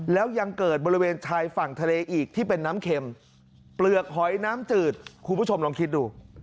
แล้วยังเกิดบริเวณชายฝั่งทะเลอีกที่เป็นน้ำเข็มเปลือกหอยน้ำจืดคุณผู้ชมลองคิดดู